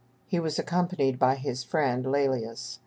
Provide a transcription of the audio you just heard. He was accompanied by his friend, Lælius.